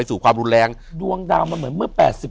อยู่ที่แม่ศรีวิรัยิลครับ